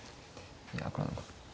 いや分からなかった。